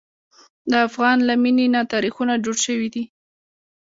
د افغان له مینې نه تاریخونه جوړ شوي دي.